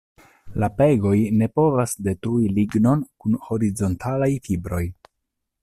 La pegoj ne povas detrui lignon kun horizontalaj fibroj.